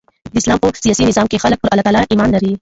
د اسلام په سیاسي نظام کښي خلک پر الله تعالي ایمان لري.